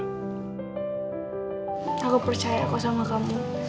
aku percaya kok sama kamu